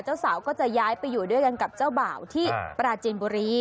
เจ้าสาวก็จะย้ายไปอยู่ด้วยกันกับเจ้าบ่าวที่ปราจีนบุรี